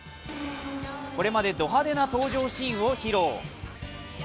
これまでド派手な登場シーンを披露。